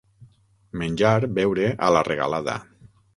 Menjar, beure, a la regalada.